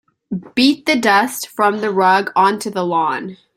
Beat the dust from the rug onto the lawn.